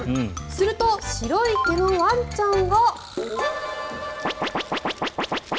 すると白い毛のワンちゃんが。